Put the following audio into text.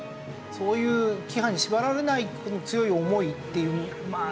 そういう規範に縛られない強い思いっていうまあ